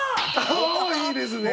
おいいですね！